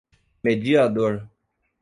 mediador